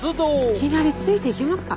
いきなりついていけますか？